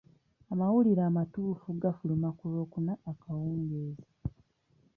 Amawulire amatuufu gafuluma ku Lwokuna akawungeezi.